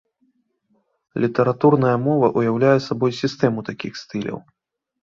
Літаратурная мова уяўляе сабой сістэму такіх стыляў.